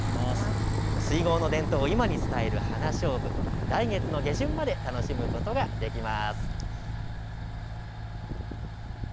水郷の伝統を今に伝えるハナショウブ、来月の下旬まで楽しむことができます。